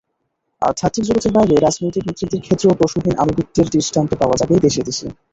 আধ্যাত্মিক জগতের বাইরে রাজনৈতিক নেতৃত্বের ক্ষেত্রেও প্রশ্নহীন আনুগত্যের দৃষ্টান্ত পাওয়া যাবে দেশে দেশে।